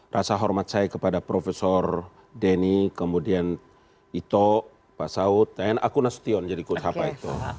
rasa hormat saya kepada profesor denny kemudian ito pak saud tn aku nasution jadi ikut apa itu